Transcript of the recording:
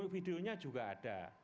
videonya juga ada